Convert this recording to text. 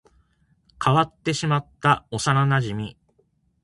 変わってしまった幼馴染